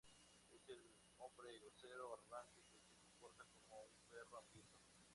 Él es un hombre grosero, arrogante, que se comporta como un perro hambriento.